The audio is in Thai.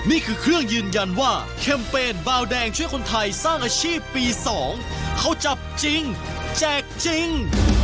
นี่คือเครื่องยืนยันว่าแคมเปญบาวแดงช่วยคนไทยสร้างอาชีพปี๒เขาจับจริงแจกจริง